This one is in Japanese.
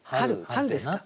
春ですか。